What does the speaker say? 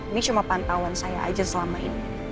ini cuma pantauan saya aja selama ini